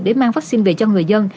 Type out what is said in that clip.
để mang vaccine về cho người dân